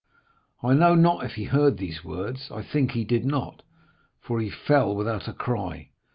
"I know not if he heard these words; I think he did not, for he fell without a cry.